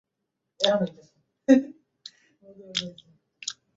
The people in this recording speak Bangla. সেই চৌকির সামনে মাথা লুটিয়ে অমিত প্রণাম করলে।